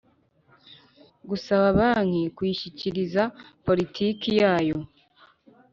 Gusaba banki kuyishyikiriza politiki yayo